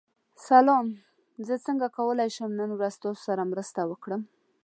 سلام، زه څنګه کولی شم نن ورځ ستاسو سره مرسته وکړم؟